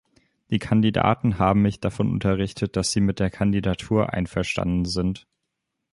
Die Kandidaten haben mich davon unterrichtet, dass sie mit der Kandidatur einverstanden sind.